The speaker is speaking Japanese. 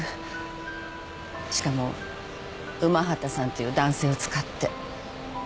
しかも午端さんという男性を使って。